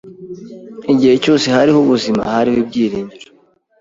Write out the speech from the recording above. Igihe cyose hariho ubuzima, hariho ibyiringiro.